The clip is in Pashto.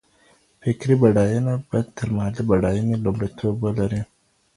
فکري بډاينه به تر مالي بډاينې لومړيتوب ولري.